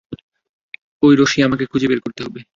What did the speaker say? ঐ রশ্মি আমাকে খুঁজে বের করতে হবে।